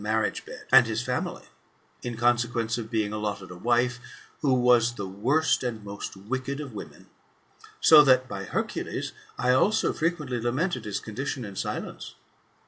marriage be^ and his family, in consequence of being allotted a wife, who was the worst and most wicked of women ; so that, by Hercules, I also frequently lamented his condition in silence.